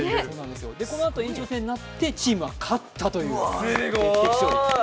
このあと延長戦になってチームは勝ったということです。